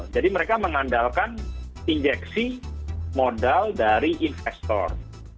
jadi mereka mengandalkan injeksi modal dari investor